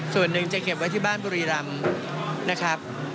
ส่วนหนึ่งจะเก็บไว้ที่บ้านบุรีรำนะครับ